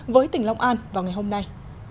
với tỉnh long an vào ngày hôm nay